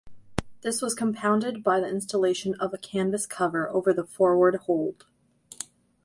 This was compounded by the installation of a canvas cover over the forward hold.